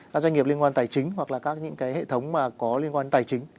các doanh nghiệp liên quan tài chính hoặc là các những cái hệ thống mà có liên quan tài chính